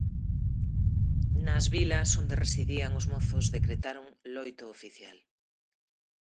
Nas vilas onde residían os mozos decretaron loito oficial.